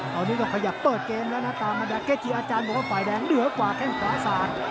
ตอนนี้ก็ขยับเปิดเกมแล้วนะตามอาจารย์บอกว่าฝ่ายแดงเหลือกว่าแข้งขวาสา